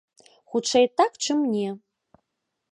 Хутчэй так, чым не.